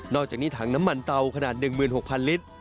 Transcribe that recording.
อกจากนี้ถังน้ำมันเตาขนาด๑๖๐๐ลิตร